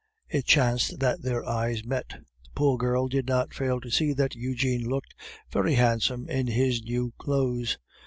It chanced that their eyes met. The poor girl did not fail to see that Eugene looked very handsome in his new clothes.